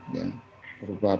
ya berupa penyekatan